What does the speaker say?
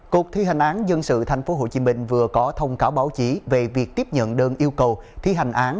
cục thi hành án dân sự tp hcm vừa có thông cáo báo chí về việc tiếp nhận đơn yêu cầu thi hành án